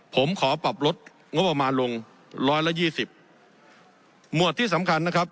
ผมขอปรับลดงบประมาณลงร้อยละยี่สิบหมวดที่สำคัญนะครับ